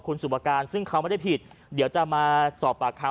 คุณสุปการซึ่งเขาไม่ได้ผิดเดี๋ยวจะมาสอบปากคำ